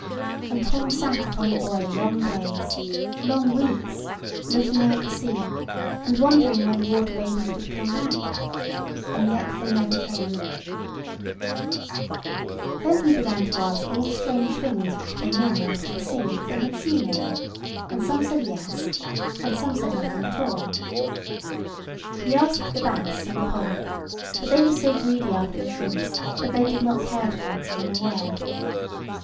And Tom sat upon the buoy long days, long weeks, looking out to sea, and wondering when the water babies would come back; and yet they never came. [Picture: Tom and a flat fish] Then he began to ask all the strange things which came in out of the sea if they had seen any; and some said "Yes," and some said nothing at all. He asked the bass and the pollock; but they were so greedy after the shrimps that they did not care to answer him a word.